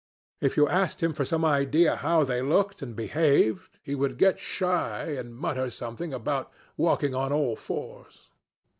If you asked him for some idea how they looked and behaved, he would get shy and mutter something about 'walking on all fours.'